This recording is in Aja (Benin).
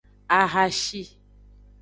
Ahashi.